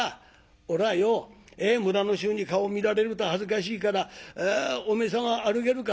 おらよ村の衆に顔見られると恥ずかしいからお前様歩けるか？